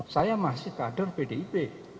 saya masih kader bdib